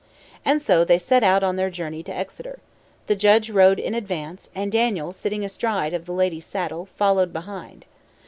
And so they set out on their journey to Exeter. The judge rode in advance, and Daniel, sitting astride of the lady's saddle, followed behind.